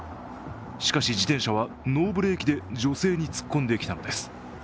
しかし、自転車はノーブレーキで女性に突っ込んできたのです。